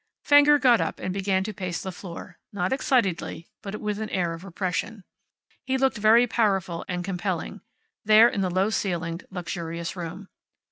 Fenger got up and began to pace the floor, not excitedly, but with an air of repression. He looked very powerful and compelling, there in the low ceilinged, luxurious room.